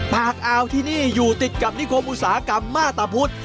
ปากอาวที่นี่อยู่ติดกับนิคมอุตสาหกรรมมาตรพุทธ